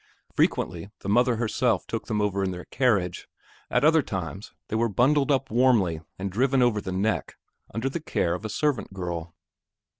Frequently, the mother herself took them over in their carriage; at other times, they were bundled up warmly and driven over the "neck" under the care of a servant girl.